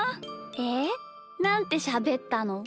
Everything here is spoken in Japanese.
えなんてしゃべったの？